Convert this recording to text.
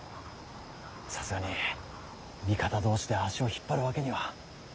さすがに味方同士で足を引っ張るわけには。